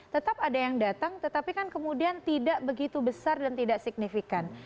tetap ada yang datang tetapi kan kemudian tidak begitu besar dan tidak signifikan